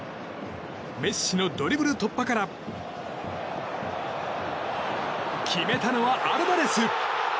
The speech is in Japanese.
メッシのドリブル突破から決めたのはアルバレス。